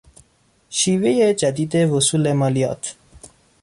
شیوهی جدید وصول مالیات